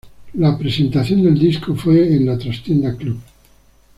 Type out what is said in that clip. La presentación del disco fue en La Trastienda Club.